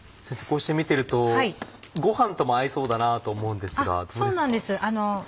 こうして見てるとご飯とも合いそうだなと思うんですがどうですか？